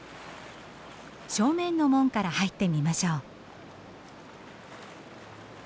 正面の門から入ってみましょう。